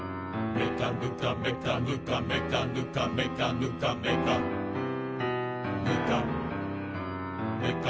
「めかぬかめかぬかめかぬかめかぬかめかぬか」